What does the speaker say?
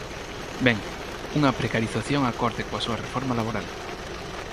Ben, unha precarización acorde coa súa reforma laboral.